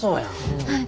はい。